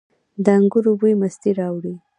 د انګورو بوی مستي راوړي.